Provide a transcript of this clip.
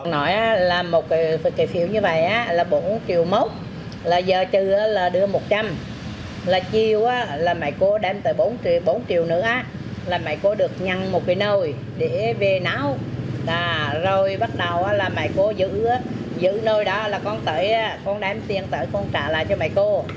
rồi bắt đầu là mẹ cô giữ giữ nơi đó là con đem tiền tới con trả lại cho mẹ cô